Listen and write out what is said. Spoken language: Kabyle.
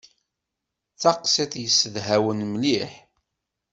D taqsiṭ yessedhawen mliḥ.